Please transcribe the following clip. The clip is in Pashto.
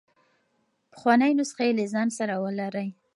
پخوانۍ نسخې له ځان سره ولرئ.